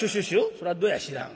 「そらどや知らん。